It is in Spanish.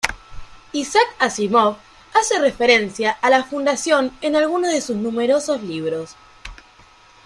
Isaac Asimov hace referencia a la Fundación en algunos de sus numerosos libros.